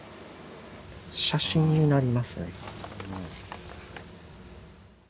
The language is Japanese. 写真になりますね。